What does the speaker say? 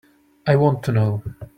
I want to know.